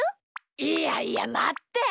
いやいやまって！